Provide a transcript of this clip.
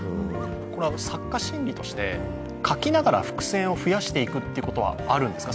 作家心理として、書きながら伏線を増やしていくことってあるんですか？